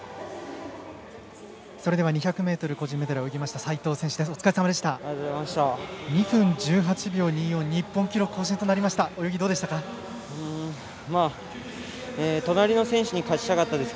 それでは２００ｍ個人メドレーを泳ぎました齋藤選手です。